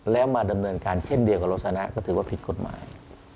แล้วมาดำเนินการเช่นเดียวกับโรสนะก็ถือว่าผิดกฎหมาย